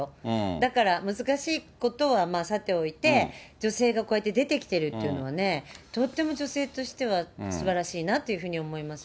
だから難しいことはまあ、さておいて、女性がこうやって出てきてるっていうのはね、とっても女性としてはすばらしいなっていうふうに思いますね。